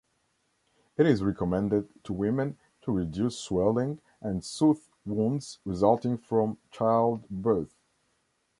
It is recommended to women to reduce swelling and soothe wounds resulting from childbirth.